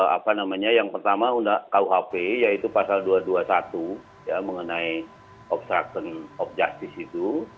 apa namanya yang pertama kuhp yaitu pasal dua ratus dua puluh satu ya mengenai obstruction of justice itu